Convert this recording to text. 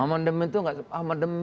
amandemen itu nggak